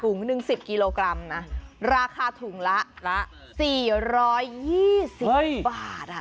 ถุงหนึ่งสิบกิโลกรัมนะราคาถุงละละสี่ร้อยยี่สิบบาทอ่ะ